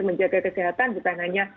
menjaga kesehatan bukan hanya